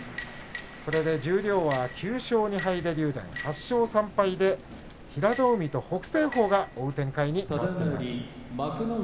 十両は９勝２敗で竜電、８勝３敗で平戸海と北青鵬が追う展開となっています。